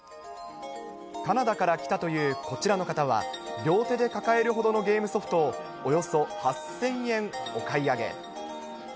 カナダから来たというこちらの方は、両手で抱えるほどのゲームソフトを、およそ８０００円お買い上げ。